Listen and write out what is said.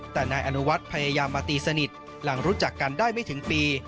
แต่นายอนุวัฒน์พยายามมาตีสนิทหลังรู้จักกันได้ไม่ถึงปี